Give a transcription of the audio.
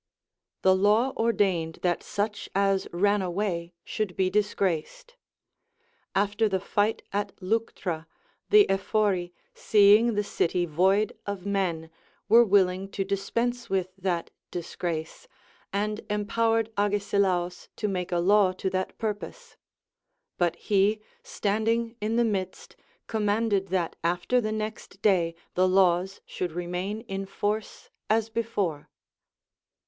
The law ordained that such as ran aAvay should be disgraced. After the fight at Leuctra, the Ephori, seeing the city void of men, were willing to dispense with that disgrace, and empowered Agesilaus to make a law to that purpose. But he standing in the midst commanded that after the next day the laws should remain in force as before.